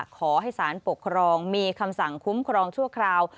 ขอให้สารปกครองมีคำสั่งคุ้มครองชั่วคราว